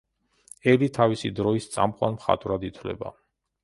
ელი თავისი დროის წამყვან მხატვრად ითვლება.